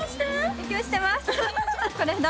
勉強してます。